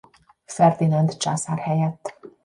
Ferdinánd császár helyett.